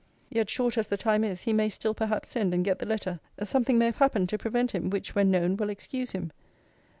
Yet, short as the time is, he may still perhaps send, and get the letter. Something may have happened to prevent him, which when known will excuse him.